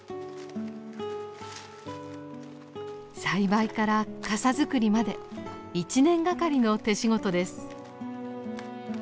栽培から笠作りまで一年がかりの手仕事です。